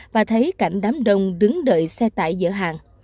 và thấy cảnh đám đông đứng đợi xe tải giữa hàng